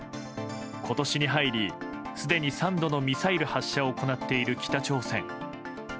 今年に入り、すでに３度のミサイル発射を行っている北朝鮮。